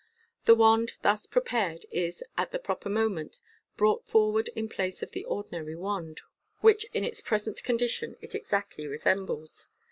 The wand, thus pre pared, is at the proper moment brought forward in place of the ordinary wand, which in its present con dition it exactly resembles.